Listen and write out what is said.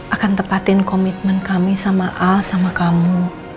akan tepatin komitmen kami sama a sama kamu